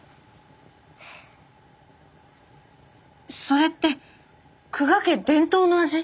それって久我家伝統の味。